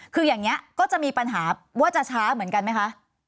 คืออย่างนี้ก็จะมีปัญหาว่าจะช้าเหมือนกันไหมคะ